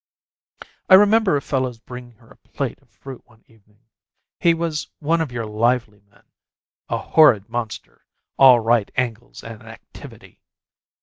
I remember a fellow's bringing her a plate of fruit one evening. He was one of your lively men a horrid monster, all right angles and activity.